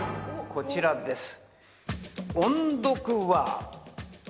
こちらです。